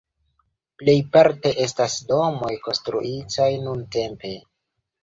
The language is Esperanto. Plej parte estas domoj konstruitaj nuntempe.